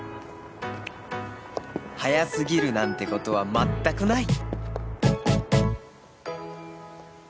早すぎるなんて事は全くない！